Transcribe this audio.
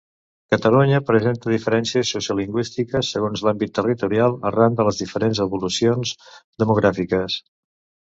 Catalunya presenta diferències sociolingüístiques segons l'àmbit territorial, arran de les diferents evolucions demogràfiques.